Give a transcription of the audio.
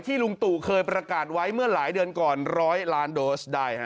ลุงตู่เคยประกาศไว้เมื่อหลายเดือนก่อน๑๐๐ล้านโดสได้